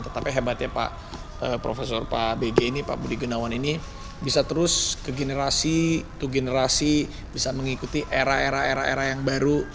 tetapi hebatnya pak profesor pak bg ini pak budi gunawan ini bisa terus ke generasi to generasi bisa mengikuti era era era era yang baru